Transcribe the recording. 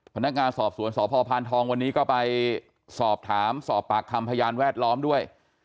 พนักงานสอบสวนสพพานทองวันนี้ก็ไปสอบถามสอบปากคำพยานแวดล้อมด้วย